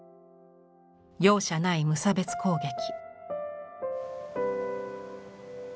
容赦ない無差別攻撃。